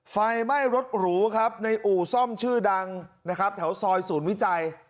ไฟไหม้รถหรูครับในอู่ซ่อมชื่อดังนะครับแถวซอยศูนย์วิจัย